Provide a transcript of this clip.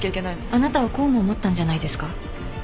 あなたはこうも思ったんじゃないですか？